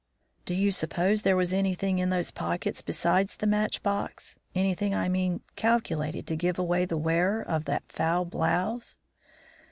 "Do you suppose there was anything in those pockets besides the match box; anything, I mean, calculated to give away the wearer of that foul blouse?"